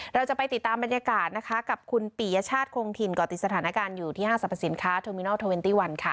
เราจะไปติดตามบรรยากาศนะคะกับคุณปียชาติคงถิ่นก่อติดสถานการณ์อยู่ที่ห้างสรรพสินค้าเทอร์มินอลเทอร์เวนตี้วันค่ะ